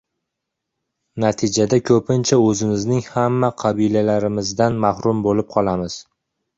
natijada ko‘pincha o‘zimizning hamma qabiliyatlarimizdan mahrum bo‘lib qolamiz.